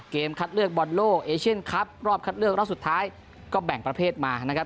คัดเลือกบอลโลกเอเชียนคลับรอบคัดเลือกรอบสุดท้ายก็แบ่งประเภทมานะครับ